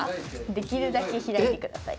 できるだけ開いて下さい。